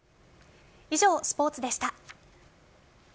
以上、スポーツでした。